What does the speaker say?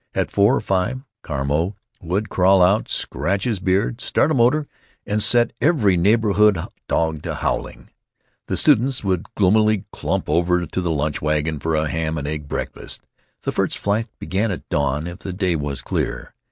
At four or five Carmeau would crawl out, scratch his beard, start a motor, and set every neighborhood dog howling. The students would gloomily clump over to the lunch wagon for a ham and egg breakfast. The first flights began at dawn, if the day was clear.